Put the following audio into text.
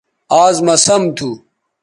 آز مہ سم تھو